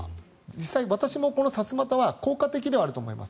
実際、私もこのさすまたは効果的ではあると思います。